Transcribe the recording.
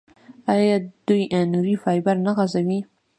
آیا دوی نوري فایبر نه غځوي؟